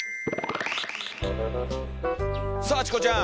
さあチコちゃん！